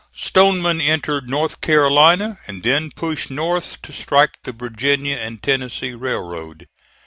Stoneman entered North Carolina and then pushed north to strike the Virginia and Tennessee Railroad.